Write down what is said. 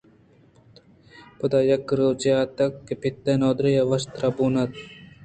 پدا یک روچے اتک کہ پت ءِ نادُرٛاہی وش تر بوٛان بوت